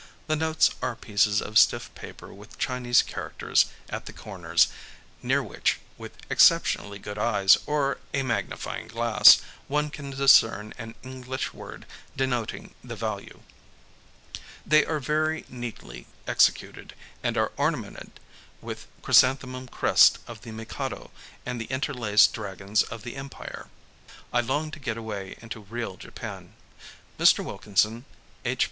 The notes are pieces of stiff paper with Chinese characters at the corners, near which, with exceptionally good eyes or a magnifying glass, one can discern an English word denoting the value. They are very neatly executed, and are ornamented with the chrysanthemum crest of the Mikado and the interlaced dragons of the Empire. I long to get away into real Japan. Mr. Wilkinson, H.